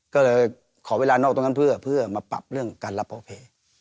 ก็เลยขอเวลานอกตรงนั้นเพื่อมาปรับเรื่องการรับเป้า